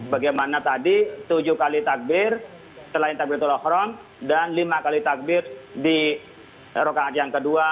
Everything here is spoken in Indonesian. bagaimana tadi tujuh kali takbir selain takbir tullah dan lima kali takbir di rokaat yang kedua